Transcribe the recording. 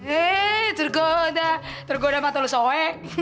eh tergoda tergoda sama telusowe